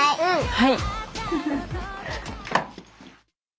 はい。